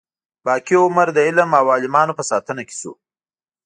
باقي عمر د علم او عالمانو په ساتنه کې شو.